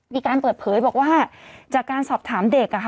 มีการเปิดเผยบอกว่าจากการสอบถามเด็ก